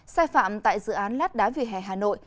sai phạm tại dự án lát đá vì hè hà nội